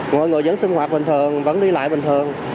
mọi người vẫn sinh hoạt bình thường vẫn đi lại bình thường